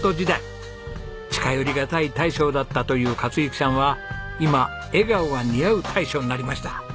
近寄りがたい大将だったという克幸さんは今笑顔が似合う大将になりました。